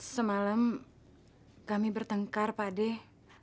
semalam kami bertengkar pak deh